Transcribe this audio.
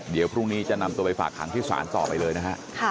เดี๋ยวพรุ่งนี้จะนำตัวไปฝากหางที่ศาลต่อไปเลยนะฮะ